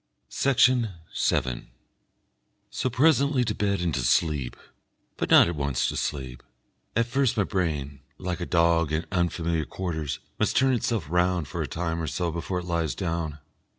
Section 7 So presently to bed and to sleep, but not at once to sleep. At first my brain, like a dog in unfamiliar quarters, must turn itself round for a time or so before it lies down.